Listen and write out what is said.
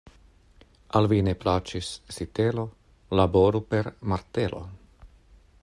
Al vi ne plaĉis sitelo, laboru per martelo.